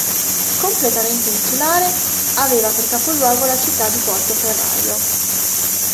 Completamente insulare, aveva per capoluogo la città di Portoferraio.